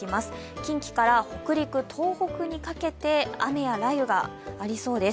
近畿から北陸、東北にかけて雨や雷雨がありそうです。